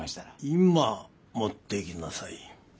今持ってきなさい。